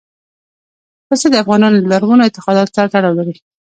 پسه د افغانانو له لرغونو اعتقاداتو سره تړاو لري.